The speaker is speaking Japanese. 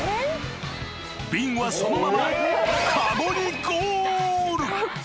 ［瓶はそのまま籠にゴール］